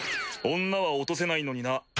女は落とせないのにな。